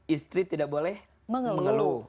istri tidak boleh mengeluh